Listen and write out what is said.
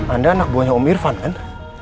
anda anak buahnya om irfan kan